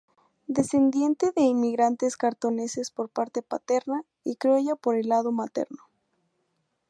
Descendiente de inmigrantes cantoneses por parte paterna, y criolla por el lado materno.